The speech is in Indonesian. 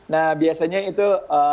nah biasanya itu